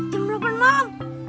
jam delapan malam